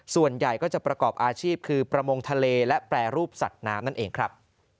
ส่วนใหญ่ก็จะประกอบอาชีพคือประมงทะเลและแปรรูปสัตว์น้ำนั่นเองครับ